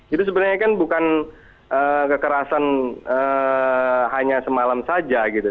itu sebenarnya kan bukan kekerasan hanya semalam saja gitu